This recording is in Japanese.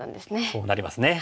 そうなりますね。